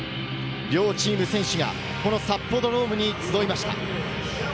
両チームの選手がこの札幌ドームに集いました。